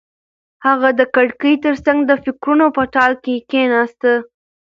هغه د کړکۍ تر څنګ د فکرونو په ټال کې کېناسته.